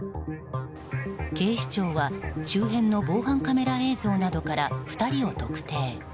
警視庁は周辺の防犯カメラ映像などから２人を特定。